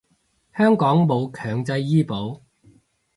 香港冇強制醫保